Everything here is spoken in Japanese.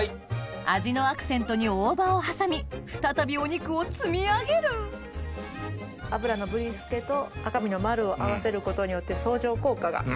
味のアクセントに大葉を挟み再びお肉を積み上げる脂のブリスケと赤身のマルを合わせることによって相乗効果が。